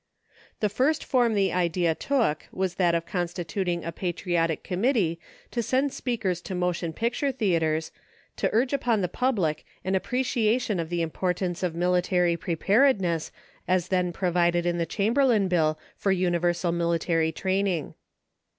The first form the idea took was that of constituting a patriotic committee to send speakers to motion picture theatres to urge upon the public an appreciation of the importance of military preparedness as then provided in the Chamberlain bill for universal military training.